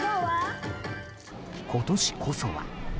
今年こそは。